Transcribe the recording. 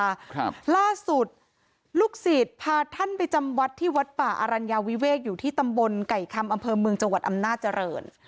ครับล่าสุดลูกศิษย์พาท่านไปจำวัดที่วัดป่าอรัญญาวิเวกอยู่ที่ตำบลไก่คำอำเภอเมืองจังหวัดอำนาจริง